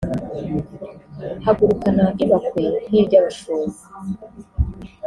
Hagurukana ibakwe nk’iry’abashumba